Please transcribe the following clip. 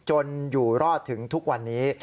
อยู่รอดถึงทุกวันนี้